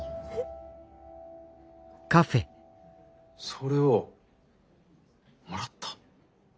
それをもらった？